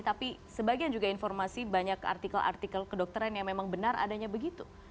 tapi sebagian juga informasi banyak artikel artikel kedokteran yang memang benar adanya begitu